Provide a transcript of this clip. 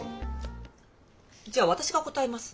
じゃ私が答えます。